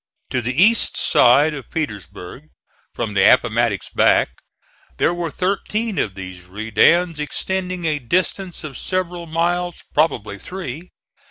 To the east side of Petersburg, from the Appomattox back, there were thirteen of these redans extending a distance of several miles, probably three.